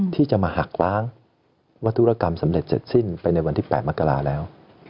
ที่จะมาหักล้างวัตถุรกรรมสำเร็จเสร็จสิ้นไปในวันที่๘มกราแล้ว